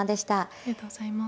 ありがとうございます。